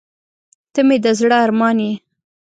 • ته مې د زړه ارمان یې.